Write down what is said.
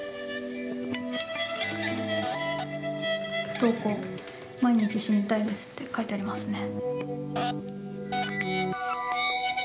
「不登校毎日死にたいです」って書いてありますね。